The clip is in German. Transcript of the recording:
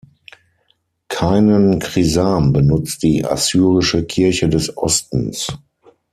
Keinen Chrisam benutzt die assyrische Kirche des Ostens.